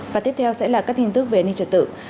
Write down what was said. và tiếp theo sẽ là các tin tức về an ninh trật tự